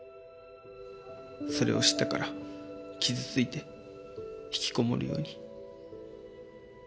それを知ったから傷ついて引きこもるように。